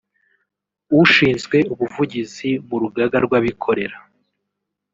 ushinzwe ubuvugizi mu Rugaga rw’Abikorera